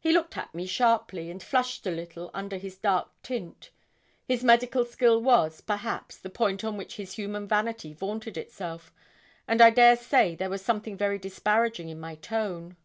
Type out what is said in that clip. He looked at me sharply, and flushed a little under his dark tint. His medical skill was, perhaps, the point on which his human vanity vaunted itself, and I dare say there was something very disparaging in my tone.